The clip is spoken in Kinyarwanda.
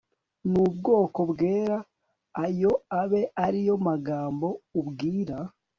n ubwoko bwera ayo abe ari yo magambo ubwira